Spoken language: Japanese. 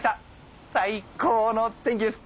最高の天気です。